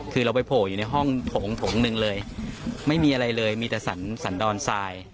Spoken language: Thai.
คือเราไปโผล่อยู่ในห้องโถงผงหนึ่งเลยไม่มีอะไรเลยมีแต่สันดอนทราย